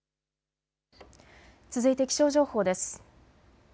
続いて気象情報です。